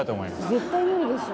絶対無理でしょ。